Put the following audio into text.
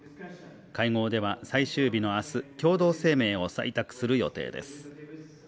会合では最終日の明日、共同声明を採択する予定です。